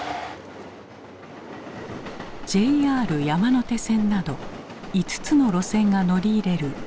ＪＲ山手線など５つの路線が乗り入れる